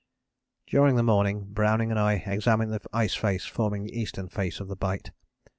"During the morning Browning and I examined the ice face forming the eastern face of the bight.